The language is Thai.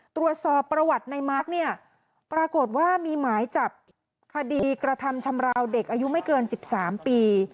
ตรวจสอบประวัติในมาร์คเนี่ยปรากฏว่ามีหมายจับคดีกระทำชำราวเด็กอายุไม่เกิน๑๓ปี